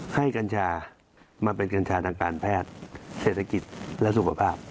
กัญชามาเป็นกัญชาทางการแพทย์เศรษฐกิจและสุขภาพ